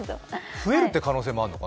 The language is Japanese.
増えるって可能性もあるのかな？